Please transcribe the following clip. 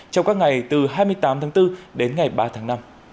trong các ngày từ hai mươi tám tháng bốn đến ngày ba tháng năm